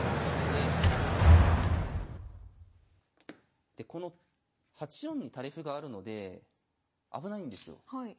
でこの８四に垂れ歩があるので危ないんですよ。